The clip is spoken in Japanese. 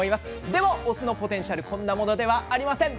でもお酢のポテンシャルこんなものではありません。